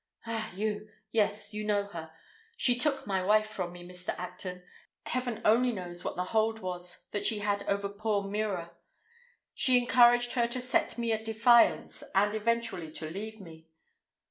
"Ah, you? Yes, you know her. She took my wife from me, Mr. Acton. Heaven only knows what the hold was that she had over poor Mira. She encouraged her to set me at defiance and eventually to leave me.